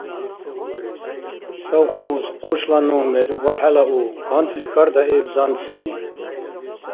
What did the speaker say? — Совхоз, къушла номер ва хӀела у? — къантӀли хьардаиб зантсини.